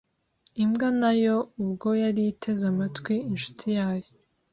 Imbwa na yo, ubwo yari iteze amatwi inshuti yayo